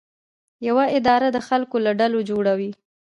یوه اداره د خلکو له ډلو جوړه وي.